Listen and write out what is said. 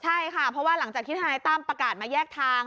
ใช่ค่ะเพราะว่าหลังจากที่ทนายตั้มประกาศมาแยกทาง